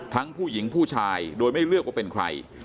ผู้หญิงผู้ชายโดยไม่เลือกว่าเป็นใคร